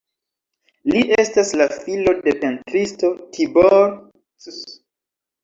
Li estas la filo de pentristo Tibor Cs.